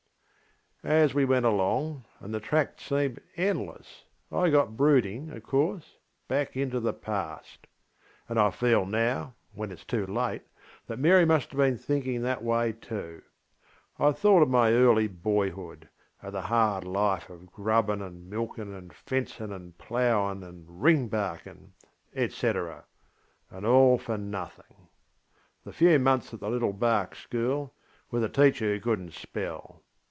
ŌĆÖ As we went alongŌĆöand the track seemed endlessŌĆöI got brooding, of course, back into the past. And I feel now, when itŌĆÖs too late, that Mary must have been thinking that way too. I thought of my early boyhood, of the hard life of ŌĆśgrubbinŌĆÖŌĆÖ and ŌĆśmilkinŌĆÖŌĆÖ and ŌĆśfencinŌĆÖŌĆÖ and ŌĆśploughinŌĆÖŌĆÖ and ŌĆśring barkinŌĆÖŌĆÖ, &c., and all for nothing. The few months at the little bark school, with a teacher who couldnŌĆÖt spell.